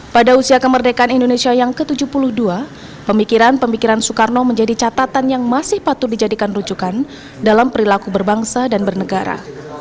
pada usia kemerdekaan indonesia yang ke tujuh puluh dua pemikiran pemikiran soekarno menjadi catatan yang masih patut dijadikan rujukan dalam perilaku berbangsa dan bernegara